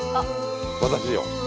私よ。